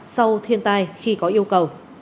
sau thiên tai khi có yêu cầu